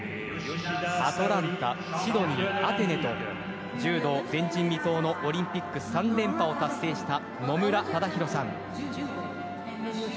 アトランタ、シドニー、アテネと柔道、前人未到のオリンピック３連覇を達成した野村忠宏さん。